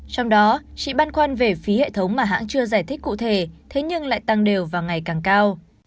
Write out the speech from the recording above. trong đó chị băn khoăn về phí hệ thống mà hãng chưa giải thích cụ thể thế nhưng lại tăng đều và ngày càng cao